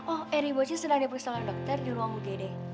oh eri bocin sedang diperkisahkan dokter di ruang ugd